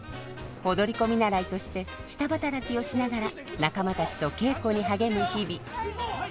踊り子見習いとして下働きをしながら仲間たちと稽古に励む日々。